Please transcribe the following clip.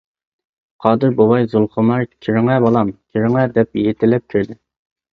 قادىر بوۋاي:-زۇلخۇمار، كىرىڭە بالام، كىرىڭە، دەپ يېتىلەپ كىرىدۇ.